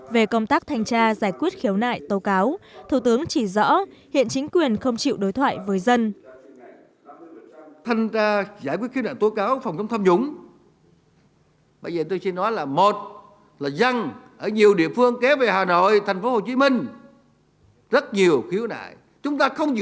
về công tác thanh tra giải quyết khiếu nại tâu cáo